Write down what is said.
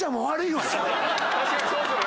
確かにそうっすね。